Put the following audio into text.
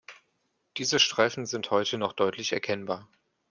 Diese Streifen sind heute noch deutlich erkennbar.